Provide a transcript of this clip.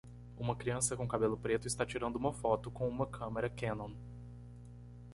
Uma criança com cabelo preto está tirando uma foto com uma câmera Canon.